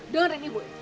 dengar ini bu